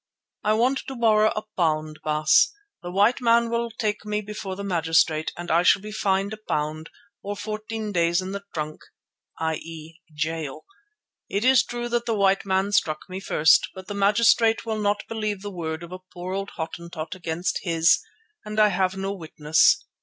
"I want to borrow a pound, Baas. The white man will take me before the magistrate, and I shall be fined a pound, or fourteen days in the trunk (i.e. jail). It is true that the white man struck me first, but the magistrate will not believe the word of a poor old Hottentot against his, and I have no witness.